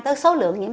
tới số lượng nhiễm sức